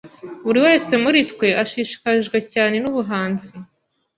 Buri wese muri twe ashishikajwe cyane nubuhanzi.